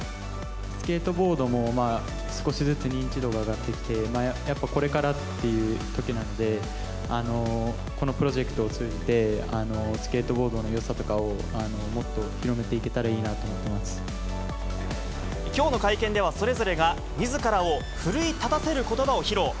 スケートボードも少しずつ認知度が上がってきて、やっぱりこれからというときなので、このプロジェクトを通じて、スケートボードのよさとかを、もっと広めていけたらいいなと思きょうの会見では、それぞれがみずからを奮い立たせることばを披露。